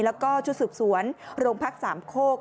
แล้วก็ชุดสืบสวนโรงพักสามโคก